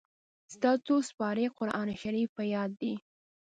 ستا څو سېپارې قرآن شريف په ياد دئ.